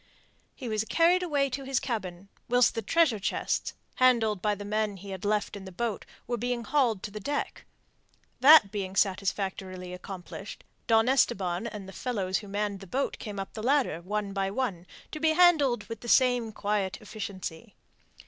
He was carried away to his cabin, whilst the treasure chests, handled by the men he had left in the boat, were being hauled to the deck. That being satisfactorily accomplished, Don Esteban and the fellows who had manned the boat came up the ladder, one by one, to be handled with the same quiet efficiency.